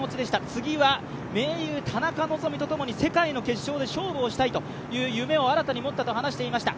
次は盟友・田中希実とともに世界の結晶で勝負をしたいという夢を新たに持ったと話していました。